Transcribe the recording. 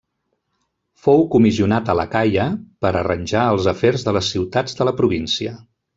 Fou comissionat a l'Acaia per arranjar els afers de les ciutats de la província.